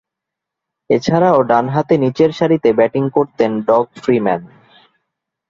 এছাড়াও, ডানহাতে নিচেরসারিতে ব্যাটিং করতেন ডগ ফ্রিম্যান।